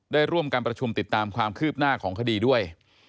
ได้ร่วมการประชุมติดตามความคืบหน้าของคดีด้วย